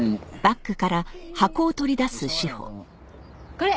これ。